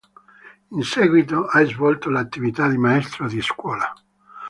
In seguito ha svolto l'attività di maestro di scuola.